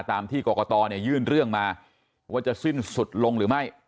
ตามที่กรกตเนี่ยยื่นเรื่องมาว่าจะสิ้นสุดลงหรือไม่